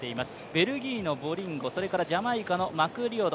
ベルギーのボリンゴ、それからジャマイカのマクリオド